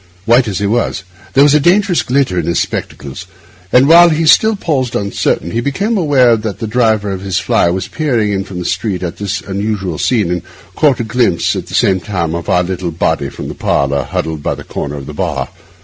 White as he was, there was a dangerous glitter in his spectacles; but while he still paused uncertain, he became aware that the driver of his fly was peering in from the street at this unusual scene and caught a glimpse at the same time of our little body from the parlour, huddled by the corner of the bar.